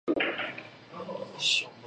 而且还有很多外国巴士及汽车。